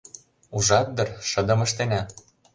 — Ужат дыр, шыдым ыштена.